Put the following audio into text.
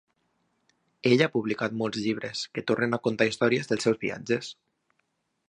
Ell ha publicat molts llibres que tornen a contar històries dels seus viatges.